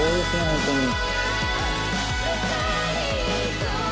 本当に。